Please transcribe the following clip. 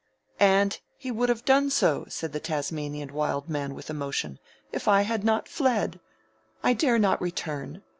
"And he would have done so," said the Tasmanian Wild Man with emotion, "if I had not fled. I dare not return.